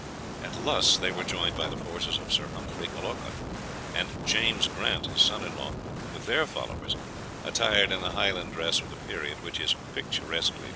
At Luss they were joined by the forces of Sir Humphrey Colquhoun, and James Grant, his son in law, with their followers, attired in the Highland dress of the period, which is picturesquely described.